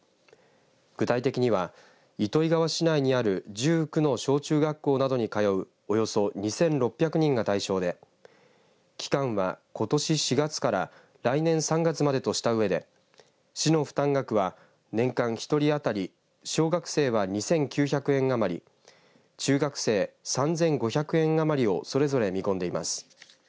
具体的には糸魚川市内にある１９の小中学校などに通うおよそ２６００人が対象で期間は、ことし４月から来年３月までとしたうえで市の負担額は年間１人当たり小学生は２９００円余り中学生３５００円余りをそれぞれ見込んでいます。